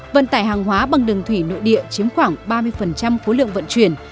vận tải hàng hóa bằng đường thủy nội địa chiếm khoảng ba mươi khối lượng vận chuyển